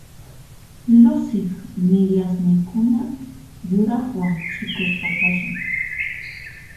Luciq midiasninkuna yuraqwan ch'ikusqa kashan.